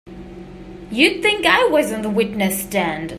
You'd think I was on the witness stand!